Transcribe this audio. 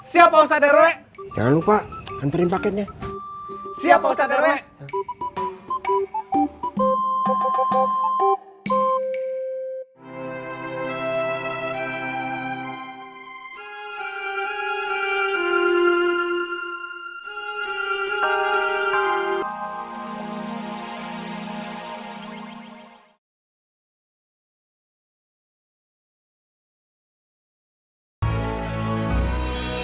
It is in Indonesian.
siap pak ustadz arwe jangan lupa anterin paketnya siap pak ustadz arwe